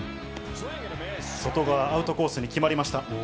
外側、アウトコースに決まりました。